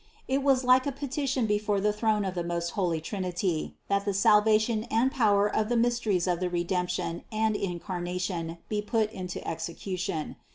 It was like a petition before the throne of the most holy Trinity, that the salvation and power and the mysteries of the Redemption and In carnation be put into execution.